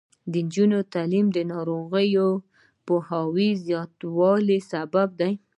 د نجونو تعلیم د ناروغیو پوهاوي زیاتولو سبب دی.